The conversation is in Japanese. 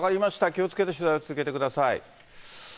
気をつけて取材を続けてください。